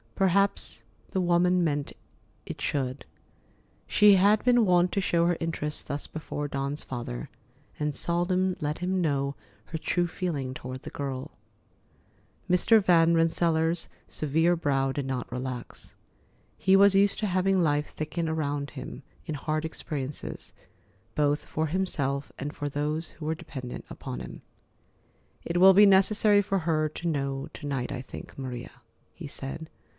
Perhaps the woman meant it should. She had been wont to show her interest thus before Dawn's father, and seldom let him know her true feeling toward the girl. Mr. Van Rensselaer's severe brow did not relax. He was used to having life thicken around him in hard experiences, both for himself and for those who were dependent upon him. "It will be necessary for her to know to night, I think, Maria," he said.